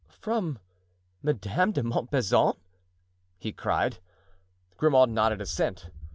"From Madame de Montbazon?" he cried. Grimaud nodded assent.